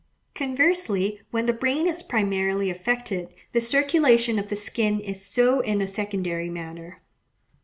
Conversely when the brain is primarily affected; the circulation of the skin is so in a secondary manner.